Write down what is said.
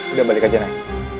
udah balik aja naik